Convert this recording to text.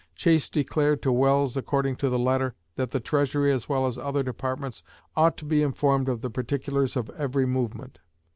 Chase declared to Welles, according to the latter, that the Treasury as well as other departments "ought to be informed of the particulars of every movement."